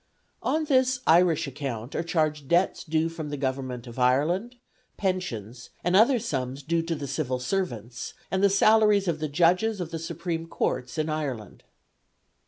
On this Irish account are charged debts due from the Government of Ireland, pensions, and other sums due to the civil servants, and the salaries of the judges of the supreme courts in Ireland.